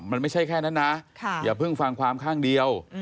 มันไม่ใช่แค่นั้นนะอย่าเพิ่งฟังความข้างเดียว